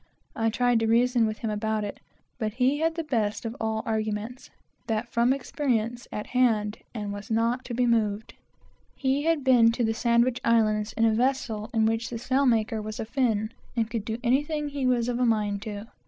I tried to reason with him about it, but he had the best of all arguments, that from experience, at hand, and was not to be moved. He had been in a vessel at the Sandwich Islands, in which the sail maker was a Fin, and could do anything he was of a mind to.